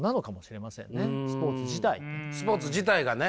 スポーツ自体がね。